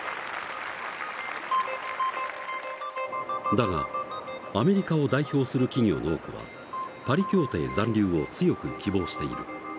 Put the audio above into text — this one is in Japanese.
だがアメリカを代表する企業の多くはパリ協定残留を強く希望している。